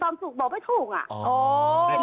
สามสิบบอโอเคไหม